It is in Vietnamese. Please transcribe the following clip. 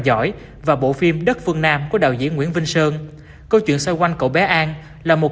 giỏi và bộ phim đất phương nam của đạo diễn nguyễn vinh sơn câu chuyện xoay quanh cậu bé an là một